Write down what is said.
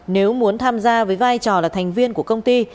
nếu muốn tham gia với vai trò là thành viên của công ty